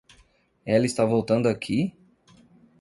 Ela está voltando aqui?